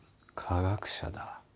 科学者だ。